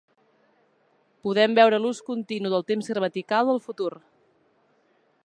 Podem veure l'ús continu del temps gramatical del futur.